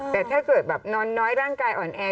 แต่ถ้าเกิดแบบนอนน้อยร่างกายอ่อนแอ